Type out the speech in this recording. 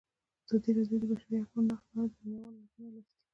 ازادي راډیو د د بشري حقونو نقض په اړه د مینه والو لیکونه لوستي.